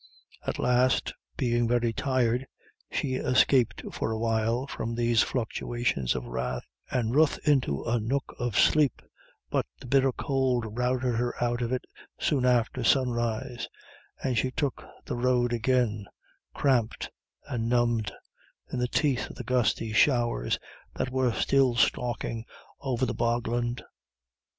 At last, being very tired, she escaped for a while from these fluctuations of wrath and ruth into a nook of sleep, but the bitter cold routed her out of it soon after sunrise, and she took the road again, cramped and numbed, in the teeth of the gusty showers that were still stalking over the bogland.